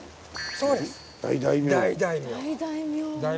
そうです。